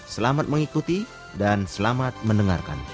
selamat mengikuti dan selamat mendengarkan